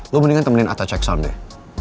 lo mendingan temenin atta ceksaun deh